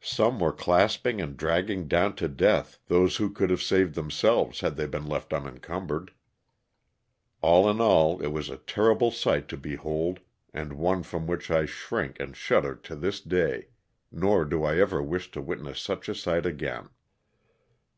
Some were clasping and dragging down to death those who could have saved themselves had they been left unencumbered. All in LOSS OF THE SULTANA. 163 all it was a terrible sight to behold and one from which I shrink and shudder to this day, nor do I ever wish to witness such a sight again.